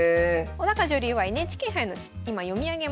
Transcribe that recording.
小女流はＮＨＫ杯の今読み上げもされております。